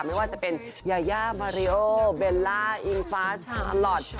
ไม่ว่าจะเป็นยายามาริโอเบลล่าอิงฟ้าชาลอท